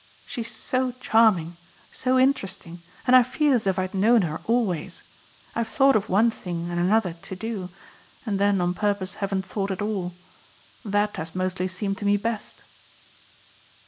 She's so charming, so interesting, and I feel as if I had known her always. I've thought of one thing and another to do and then, on purpose, haven't thought at all. That has mostly seemed to me best."